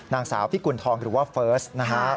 นางสาวพิกุณฑองหรือว่าเฟิร์สนะฮะ